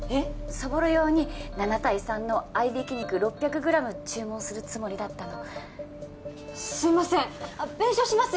そぼろ用に７対３の合い挽き肉６００ｇ注文するつもりだったのすいません弁償します！